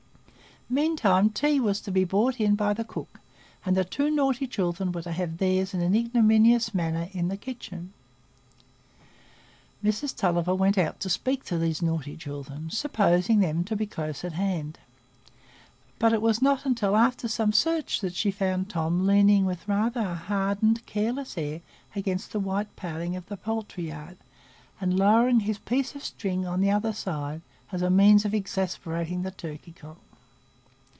Meantime tea was to be brought in by the cook, and the two naughty children were to have theirs in an ignominious manner in the kitchen. Mrs Tulliver went out to speak to these naughty children, supposing them to be close at hand; but it was not until after some search that she found Tom leaning with rather a hardened, careless air against the white paling of the poultry yard, and lowering his piece of string on the other side as a means of exasperating the turkey cock.